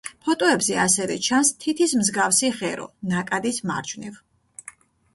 ფოტოებზე ასევე ჩანს თითის მსგავსი ღერო ნაკადის მარჯვნივ.